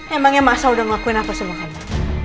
emangnya masa udah ngelakuin apa semua kamu